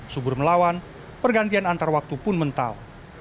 subur melawan pergantian antar waktu pun mental